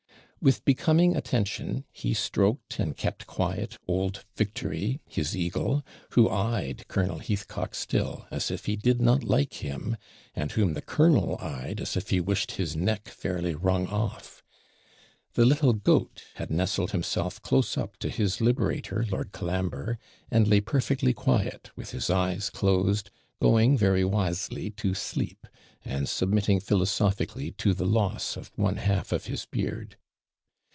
With becoming attention, he stroked and kept quiet old Victory, his eagle, who eyed Colonel Heathcock still, as if he did not like him; and whom the colonel eyed, as if he wished his neck fairly wrung off. The little goat had nestled himself close up to his liberator, Lord Colambre, and lay perfectly quiet, with his eyes closed, going very wisely to sleep, and submitting philosophically to the loss of one half of his beard.